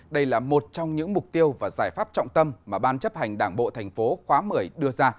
đây là một trong những mục tiêu và giải pháp trọng tâm mà ban chấp hành đảng bộ tp khoá một mươi đưa ra